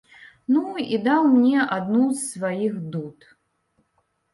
Ну, і даў мне адну з сваіх дуд.